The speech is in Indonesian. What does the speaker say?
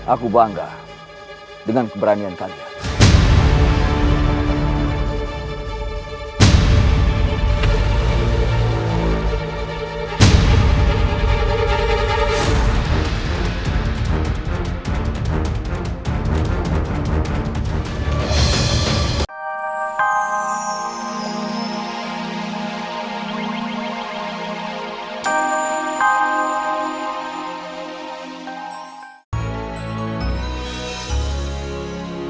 aku bangga dengan keberanian kalian